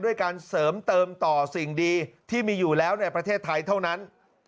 การเสริมเติมต่อสิ่งดีที่มีอยู่แล้วในประเทศไทยเท่านั้น